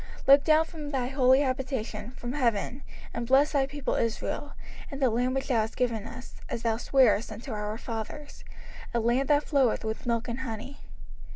05:026:015 Look down from thy holy habitation, from heaven, and bless thy people Israel, and the land which thou hast given us, as thou swarest unto our fathers, a land that floweth with milk and honey.